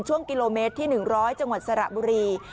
ช่วงกิโลเมตรที่หนึ่งร้อยจังหวัดสระบุรี